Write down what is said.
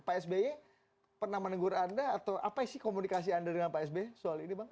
pak sby pernah menegur anda atau apa sih komunikasi anda dengan pak sby soal ini bang